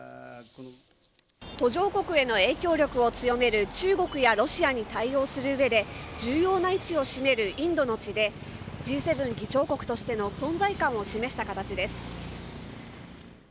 途上国への影響力を強める中国やロシアに対応する上で重要な位置を占めるインドの地でＧ７議長国としての存在感を示した形です。